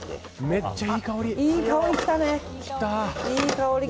めっちゃいい香り！